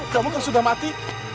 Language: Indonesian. kamu kan sudah mati